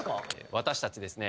私たちですね